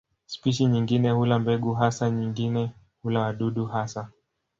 Spishi nyingine hula mbegu hasa, nyingine hula wadudu hasa.